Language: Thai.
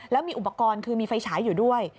แล้วมีอุปกรณ์คือมีไฟฉายอยู่ด้วย